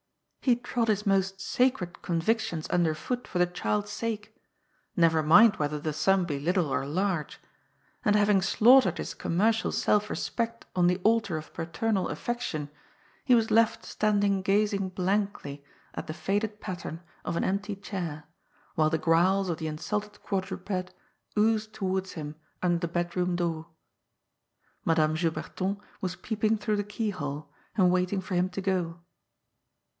He trod his most sacred convictions under foot for the child's sake — never mind whether the sum be little or large — ^and having slaughtered his commercial self respect on the altar of paternal affection, he was left standing ga2dng blankly at the faded pattern of an empty chair, while the growls of the insulted quadruped oozed towards him under the bedroom door. Madame Juberton was peeping through the keyhole, and waiting for him to go.